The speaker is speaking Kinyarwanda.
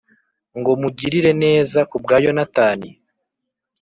ngo mugirire neza ku bwa Yonatani?